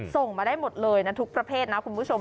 ส่งมาได้หมดเลยนะทุกประเภทนะคุณผู้ชม